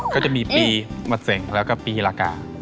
ก็จะมีปีมัสเศกแล้วก็ปีหล่าก่า